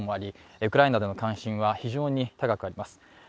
ウクライナでの関心は非常に高いです。